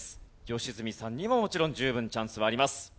良純さんにももちろん十分チャンスはあります。